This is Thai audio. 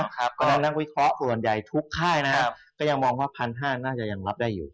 เพราะฉะนั้นนักวิเคราะห์ส่วนใหญ่ทุกค่ายก็ยังมองว่า๑๕๐๐น่าจะยังรับได้อยู่